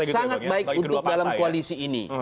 sangat baik untuk dalam koalisi ini